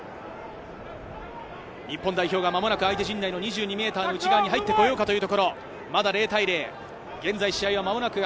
日本代表が間もなく相手陣内の２２ｍ内側に入ってこらえようかというところ。